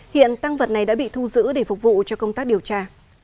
hiện tăng vật này đã bị thu giữ để phục vụ cho công tác điều tra